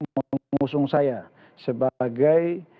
mengusung saya sebagai